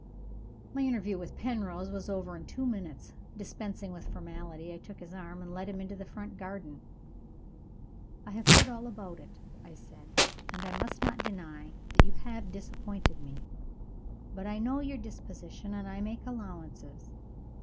My interview with Penrose was over in two minutes. Dispensing with formality, I took his arm, and led him into the front garden. "I have heard all about it," I said; "and I must not deny that you have disappointed me. But I know your disposition, and I make allowances.